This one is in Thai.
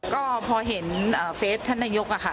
ก็พอเห็นเฟสท่านนายกอะค่ะ